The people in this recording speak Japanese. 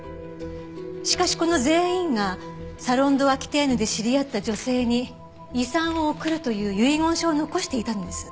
しかしこの全員がサロン・ド・アキテーヌで知り合った女性に遺産を贈るという遺言書を残していたんです。